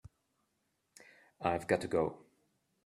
I've got to go.